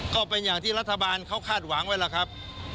ก็เป็นอย่างที่รัฐบาลเขาคาดหวังไว้ล่ะครับ